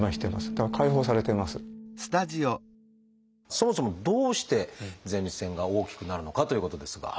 そもそもどうして前立腺が大きくなるのかということですが。